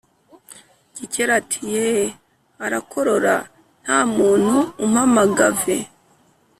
Gikeli ati :» yee! Arakorora Nta muntu umpamagave ?